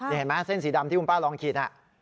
เห็นไหมเส้นสีดำที่คุณป้าลองขีด